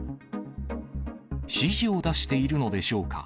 指示を出しているのでしょうか。